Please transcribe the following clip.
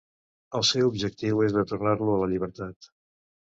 El seu objectiu és de tornar-lo a la llibertat.